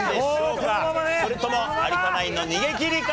それとも有田ナインの逃げ切りか？